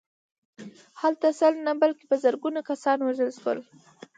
هلته سل نه بلکې په زرګونه کسان ووژل شول